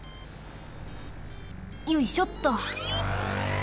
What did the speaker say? よいしょっと！